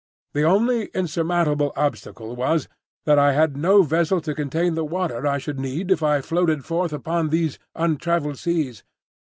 The only insurmountable obstacle was that I had no vessel to contain the water I should need if I floated forth upon these untravelled seas.